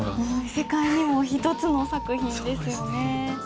世界に一つの作品ですよね。